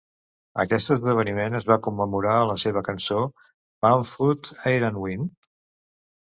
Aquest esdeveniment es va commemorar a la seva cançó Pam fod eira"n wyn?